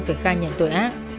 phải khai nhận tội ác